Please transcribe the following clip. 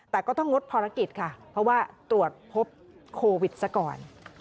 แต่ก็ต้องงดภารกิจค่ะเพราะว่าตรวจพบโควิดซะก่อน